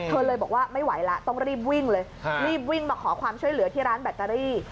เธอเลยบอกว่าไม่ไหวแล้วต้องรีบวิ่งเลยรีบวิ่งมาขอความช่วยเหลือที่ร้านแบตเตอรี่